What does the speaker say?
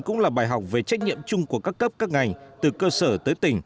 cũng là bài học về trách nhiệm chung của các cấp các ngành từ cơ sở tới tỉnh